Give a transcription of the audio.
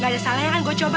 gak ada salah yang gue coba